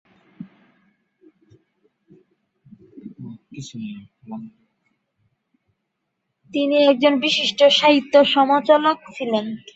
তিনি একজন বিশিষ্ট সাহিত্য-সমালোচক ছিলেন।